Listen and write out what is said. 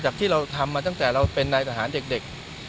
ที่เราทำมาตั้งแต่เราเป็นนายทหารเด็ก